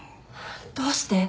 どうして？